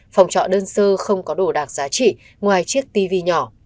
phòng trọ đơn sơ không có đồ đạc giá trị ngoài chiếc tv nhỏ